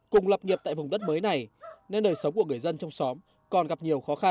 cùng lập nghiệp tại vùng đất mới này nên đời sống của người dân trong xóm còn gặp nhiều khó khăn